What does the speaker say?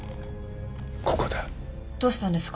ここだどうしたんですか？